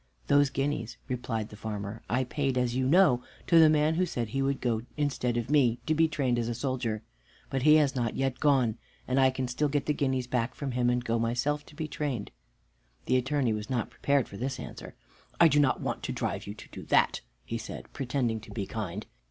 "Those guineas," replied the farmer, "I paid, as you know, to the man who said he would go instead of me to be trained as a soldier. But he has not yet gone, and I can still get the guineas back from him and go myself to be trained." The Attorney was not prepared for this answer. "I do not want to drive you to that," he said, pretending to be kind.